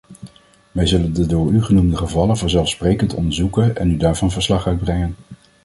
Wij zullen de door u genoemde gevallen vanzelfsprekend onderzoeken en u daarvan verslag uitbrengen.